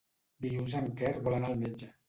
Dilluns en Quer vol anar al metge.